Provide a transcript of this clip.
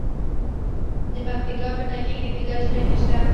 د پکتیکا په نکې کې د ګچ نښې شته.